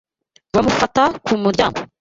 Bamufata ku muryango.